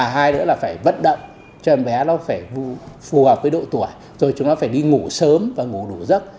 hai nữa là phải vất đậm cho em bé nó phải phù hợp với độ tuổi rồi chúng nó phải đi ngủ sớm và ngủ đủ rất